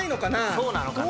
そうなのかな。